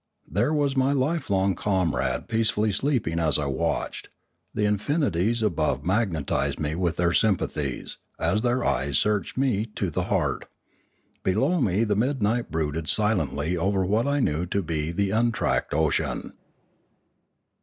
There was my lifelong comrade peace fully sleeping as I watched; the infinities above mag netised me with their sympathies, as their eyes searched me to the heart; below me the midnight brooded si lently over what I knew to be the untracked ocean.